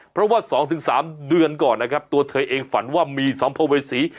เพราะว่า๒๓เดือนก่อนนะครับตัวเธอเองฝันว่ามีสัมภเวษี